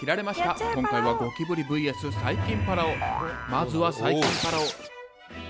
まずは細菌パラオ。